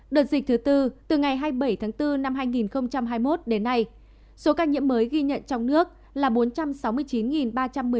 đợt dịch thứ tư từ ngày hai mươi bảy tháng bốn năm hai nghìn hai mươi một đến nay số ca nhiễm mới ghi nhận trong nước là bốn trăm sáu mươi chín ba trăm một mươi ca